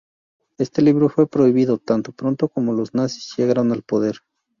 Este libro fue prohibido tan pronto como los nazis llegaron al poder.